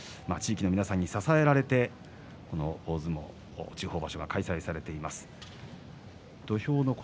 地域の皆さんに支えられて大相撲地方場所が開催されています。